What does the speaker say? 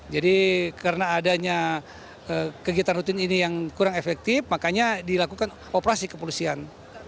jadi karena adanya kegiatan rutin ini yang kurang efektif makanya dilakukan operasi kepolisian